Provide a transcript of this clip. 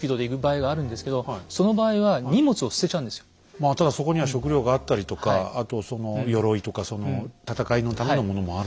まあただそこには食料があったりとかあとその鎧とか戦いのためのものもある。